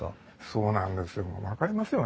そうなんですよ。